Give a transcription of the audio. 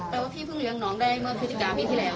ว่าพี่เพิ่งเลี้ยงน้องได้เมื่อพฤศจิกาปีที่แล้ว